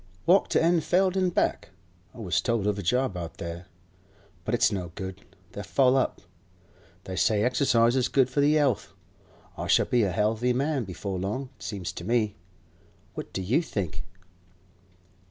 'Walked to Enfleld an' back. I was told of a job out there; but it's no good; they're full up. They say exercise is good for the 'ealth. I shall be a 'ealthy man before long, it seems to me. What do you think?